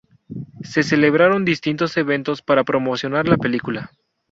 Se celebraron distintos eventos para promocionar la película.